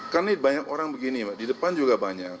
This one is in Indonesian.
kan ini banyak orang begini mbak di depan juga banyak